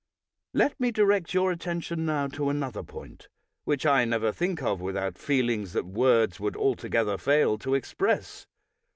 Let me direct your attention now to another point which I never think of without feelings that words would altogether fail to express.